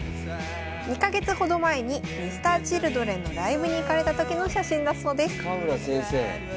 ２か月ほど前にＭｒ．Ｃｈｉｌｄｒｅｎのライブに行かれた時の写真だそうです。